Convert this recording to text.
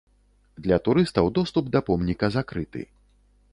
Для турыстаў доступ да помніка закрыты.